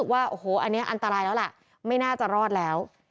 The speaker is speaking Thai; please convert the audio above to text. ว่าโอ้โหอันนี้อันตรายแล้วล่ะไม่น่าจะรอดแล้ว